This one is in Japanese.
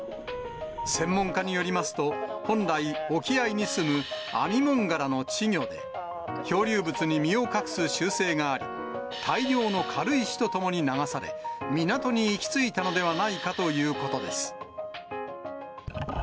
専門家によりますと、本来、沖合に住むアミモンガラの稚魚で、漂流物に身を隠す習性があり、大量の軽石とともに流され、港に行き着いたのではないかということです。